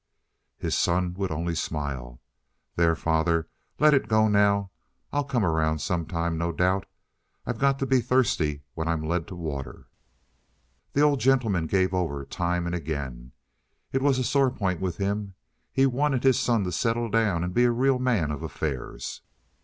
His son would only smile. "There, father, let it go now. I'll come around some time, no doubt. I've got to be thirsty when I'm led to water." The old gentleman gave over, time and again, but it was a sore point with him. He wanted his son to settle down and be a real man of affairs.